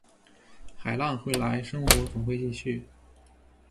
海浪会来，生活总会继续